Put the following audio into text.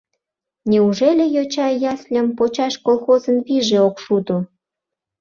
Неужели йоча ясльым почаш колхозын вийже ок шуто?